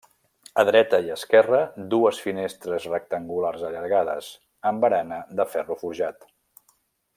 A dreta i esquerra, dues finestres rectangulars allargades, amb barana de ferro forjat.